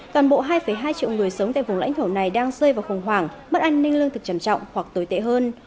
toàn bộ hai hai triệu người sống tại vùng lãnh thổ này đang rơi vào khủng hoảng mất an ninh lương thực trầm trọng hoặc tồi tệ hơn